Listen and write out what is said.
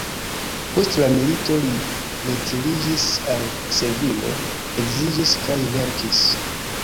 Post la milito li retiriĝis al Sevilo, edziĝis kaj verkis.